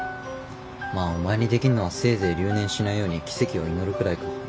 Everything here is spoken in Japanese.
まあお前にできんのはせいぜい留年しないように奇跡を祈るくらいか。